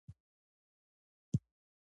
موټر د خونو سره یو ځای سفر کوي.